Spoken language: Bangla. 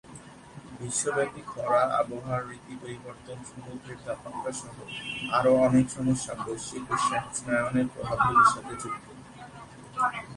বিশ্বব্যাপী খরা, আবহাওয়ার রীতি পরিবর্তন, সমুদ্রের তাপমাত্রা সহ আরও অনেক সমস্যা বৈশ্বিক উষ্ণায়নের প্রভাবগুলির সাথে যুক্ত।